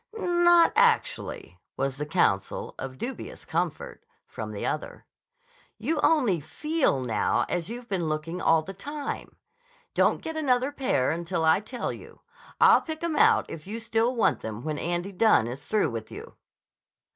"Not actually," was the counsel—of dubious comfort—from the other. "You only feel now as you've been looking all the time. Don't get another pair until I tell you. I'll pick 'em out if you still want them when Andy Dunne is through with you."